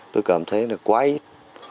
tôi cảm thấy là quá ít